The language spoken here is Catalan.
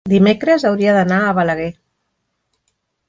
dimecres hauria d'anar a Balaguer.